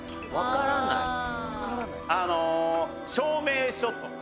「あの証明書とか」